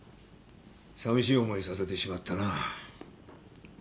寂しい思いをさせてしまったな。